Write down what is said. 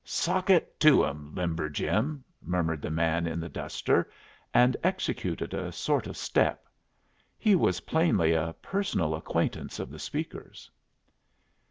"Sock it to 'em, Limber Jim!" murmured the man in the duster, and executed a sort of step. He was plainly a personal acquaintance of the speaker's.